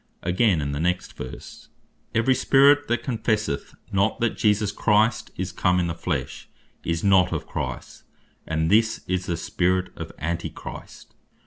Again in the next verse, "Every Spirit that confesseth not that Jesus Christ is come in the Flesh, is not of Christ. And this is the Spirit of Antichrist."